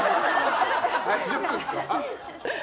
大丈夫ですか？